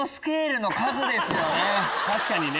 確かにね。